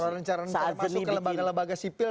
kalau rencana masuk ke lembaga lembaga sipil